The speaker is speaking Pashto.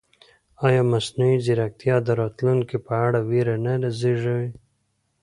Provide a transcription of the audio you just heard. ایا مصنوعي ځیرکتیا د راتلونکي په اړه وېره نه زېږوي؟